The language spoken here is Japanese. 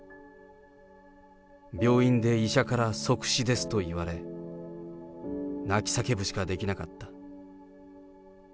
病院で医者から即死ですと言われ、泣き叫ぶしかできなかった。